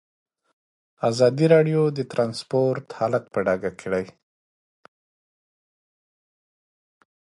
ازادي راډیو د ترانسپورټ حالت په ډاګه کړی.